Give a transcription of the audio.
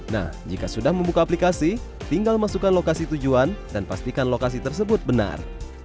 nah jika sudah membuka aplikasi tinggal masukkan lokasi tujuan dan pastikan lokasi tersebut benar